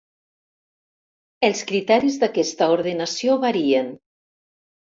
Els criteris d'aquesta ordenació varien.